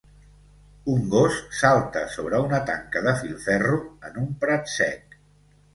Un gos salta sobre una tanca de filferro en un prat sec.